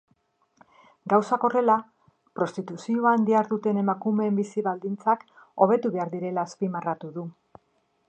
Gauzak horrela, prostituzioan diharduten emakumeen bizi-baldintzak hobetu behar direla azpimarratu du.